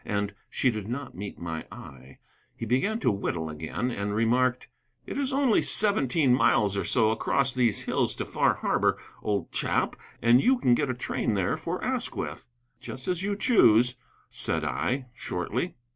And she did not meet my eye. He began to whittle again, and remarked: "It is only seventeen miles or so across these hills to Far Harbor, old chap, and you can get a train there for Asquith." "Just as you choose," said I, shortly.